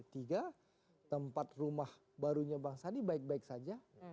tempat rumah barunya bang sandi baik baik saja